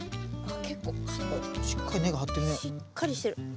あっ結構しっかりしてる。